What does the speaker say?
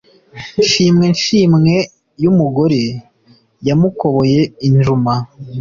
nshimwe nshimwe y'umugore yamukoboye injuma